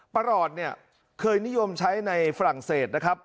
ประหลอดเคยโนยมใช้ในฝรั่งเศส